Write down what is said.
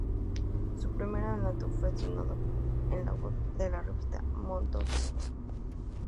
Su primer adelanto fue estrenado en la web de la revista MondoSonoro.